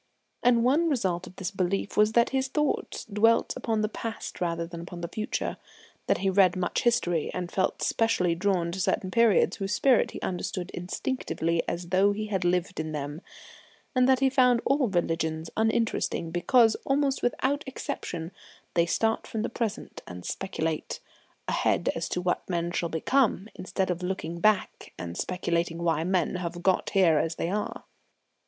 And one result of this belief was that his thoughts dwelt upon the past rather than upon the future; that he read much history, and felt specially drawn to certain periods whose spirit he understood instinctively as though he had lived in them; and that he found all religions uninteresting because, almost without exception, they start from the present and speculate ahead as to what men shall become, instead of looking back and speculating why men have got here as they are.